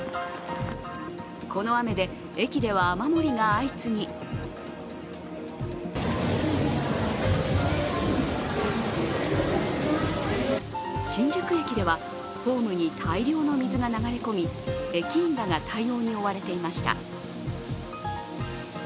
この雨で、駅では雨漏りが相次ぎ新宿駅ではホームに大量の水が流れ込み駅員らが対応に追われていました。